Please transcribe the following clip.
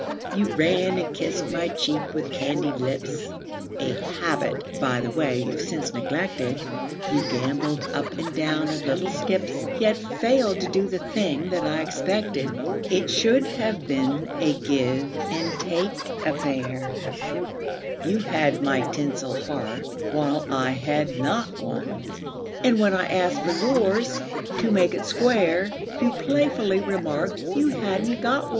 You ran and kissed my cheek with candied lips, A habit, by the way, you've since neglected ; You gambolled up and down in little skips, Yet failed to do the thing that I expected. It should have been a give and take affair; You had my tinsel heart, while I had not one, And when I asked for yours, to make it square, You playfully remarked you hadn't got one.